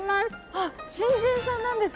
あっ新人さんなんですか？